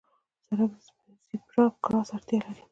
سړک د زېبرا کراس اړتیا لري.